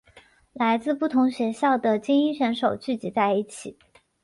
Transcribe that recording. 来自不同学校的菁英选手聚集在一起。